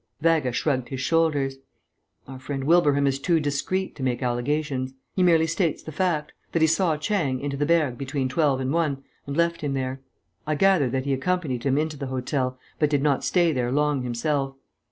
Vaga shrugged his shoulders. "Our friend Wilbraham is too discreet to make allegations. He merely states the fact that he saw Chang into the Bergues between twelve and one and left him there.... I gather that he accompanied him into the hotel, but did not stay there long himself.